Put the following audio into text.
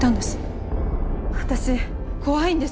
私怖いんです。